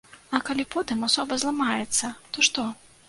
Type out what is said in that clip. А калі потым асоба зламаецца, то што?